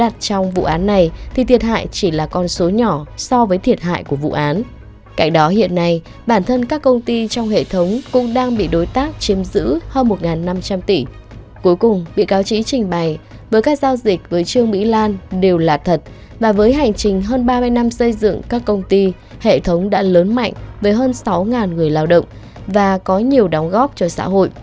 trong quá trình hơn ba mươi năm xây dựng các công ty hệ thống đã lớn mạnh với hơn sáu người lao động và có nhiều đóng góp cho xã hội